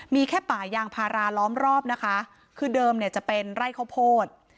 มีแค่ป่ายางพาราล้อมรอบนะคะคือเดิมเนี่ยจะเป็นไร่ข้าวโพด